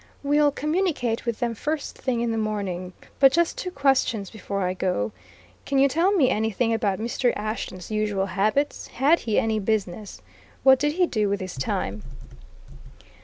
"We'll communicate with them first thing in the morning. But just two questions before I go. Can you tell me anything about Mr. Ashton's usual habits? Had he any business? What did he do with his time?"